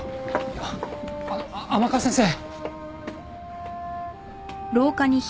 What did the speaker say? いやあの甘春先生。